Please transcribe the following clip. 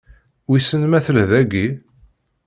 Wissen ma tella dagi?